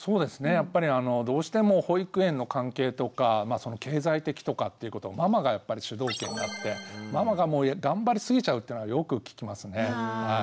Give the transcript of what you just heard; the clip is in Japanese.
やっぱりあのどうしても保育園の関係とかその経済的とかっていうことをママがやっぱり主導権になってママがもう頑張りすぎちゃうっていうのはよく聞きますね。